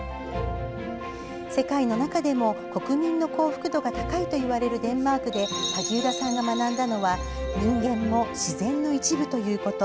世界の中でも国民の幸福度が高いといわれるデンマークで萩生田さんが学んだのは人間も自然の一部ということ。